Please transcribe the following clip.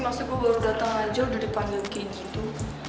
maksudnya gue baru datang aja udah dipanggil kayak gitu